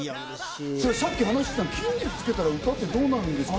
さっき話してたの、筋肉つけたら歌ってどうなるんですか？